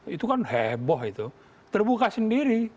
itu kan heboh itu terbuka sendiri